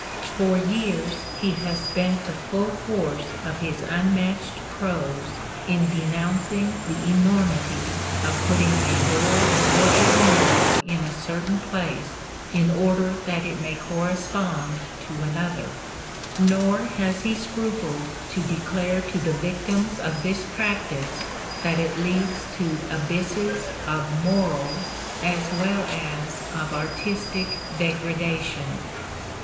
For years he has spent the full force of his unmatched prose in denouncing the enormity of putting a door or a window in a certain place in order that it may correspond to another; nor has he scrupled to declare to the victims of this practice that it leads to abysses of moral as well as of artistic degradation.